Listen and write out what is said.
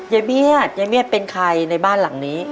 เบียดยายเบียดเป็นใครในบ้านหลังนี้